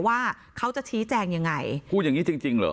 ว่าเขาจะชี้แจงยังไงพูดอย่างงี้จริงจริงเหรอ